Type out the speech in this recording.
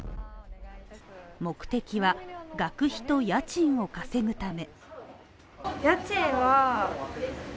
目的は学費と家賃を稼ぐため。